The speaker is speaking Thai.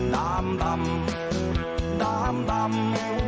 ดำดำดำดำ